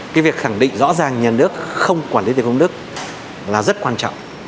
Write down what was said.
cái việc khẳng định rõ ràng nhà nước không quản lý tiền công đức là rất quan trọng